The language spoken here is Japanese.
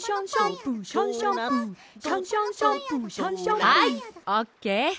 はいオッケー！